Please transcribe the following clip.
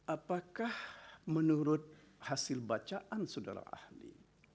apakah menurut hasil bacaan saudara ahli